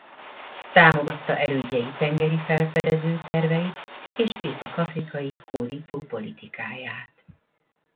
Támogatta elődjei tengeri felfedező terveit és észak-afrikai hódító politikáját.